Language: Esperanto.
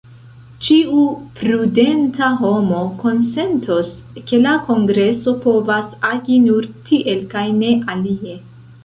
Ĉiu prudenta homo konsentos, ke la kongreso povas agi nur tiel kaj ne alie.